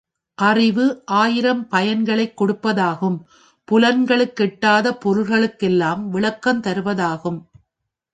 அவ்வறிவு ஆயிரம் பயன்களைக் கொடுப்பதாகும் புலன்களுக்கெட்டாத பொருள்களுக்கெல்லாம் விளக்கம் தருவதாகும்.